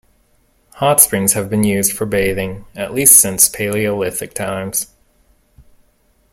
Hot springs have been used for bathing at least since Paleolithic times.